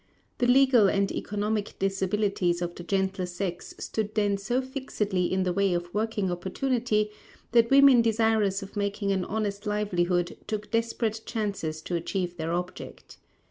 The legal and economic disabilities of the gentler sex stood then so fixedly in the way of working opportunity that women desirous of making an honest livelihood took desperate chances to achieve their object.